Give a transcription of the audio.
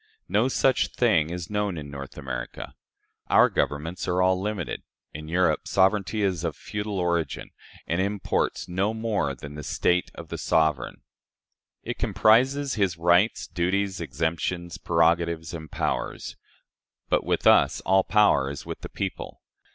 No such thing is known in North America. Our governments are all limited. In Europe sovereignty is of feudal origin, and imports no more than the state of the sovereign. It comprises his rights, duties, exemptions, prerogatives, and powers. But with us all power is with the people.